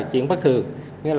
chuyện bất thường